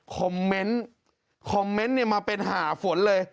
คอมเมนต์คอมเมนต์เนี่ยมาเป็นหาฝนเลย